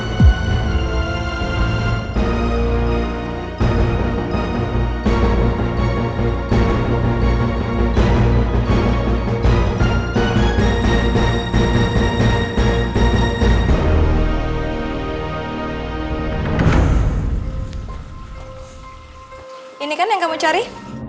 hai ini kan yang kamu cari